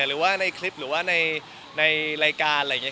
หรือว่าในคลิปหรือในรายการ